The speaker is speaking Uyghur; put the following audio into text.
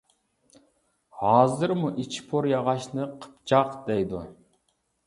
ھازىرمۇ ئىچى پور ياغاچنى قىپچاق دەيدۇ.